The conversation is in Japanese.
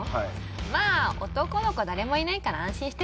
「まあ男の子誰もいないから安心して」